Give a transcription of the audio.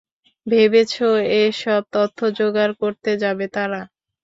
ভেবেছ এতসব তথ্য জোগাড় করতে যাবে তারা!